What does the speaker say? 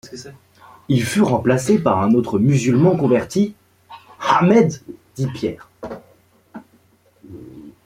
Il fut remplacé par un autre musulman converti, Ahmed dit Pierre.